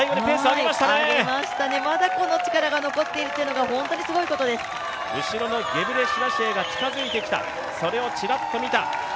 上げましたね、まだこの力が残っているということが後ろのゲブレシラシエが近づいてきた、それをちらっと見た。